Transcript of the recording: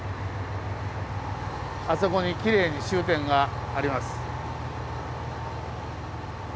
あそこにきれいに終点があります。